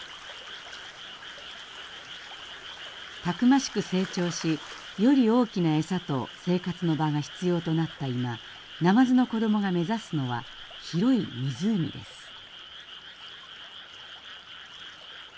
たくましく成長しより大きな餌と生活の場が必要となった今ナマズの子供が目指すのは広い湖です。